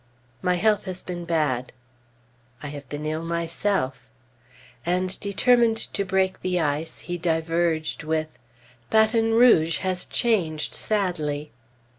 "My health has been bad." "I have been ill myself"; and determined to break the ice he diverged with "Baton Rouge has changed sadly."